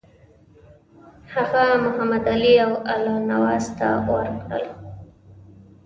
هغه محمدعلي او الله نواز ته ورکړل.